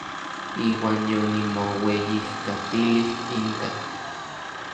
Iuan yonimoueyijkatilij inka.